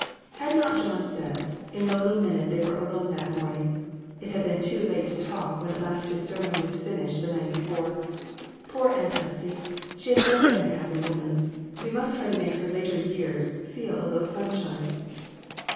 Had not John said, in the little minute they were alone that morning it had been too late to talk when at last his sermon was finished the night before " Poor Aunt Hepsy ! She has never been a happy woman ; we must try to make her later years feel a little sunshine."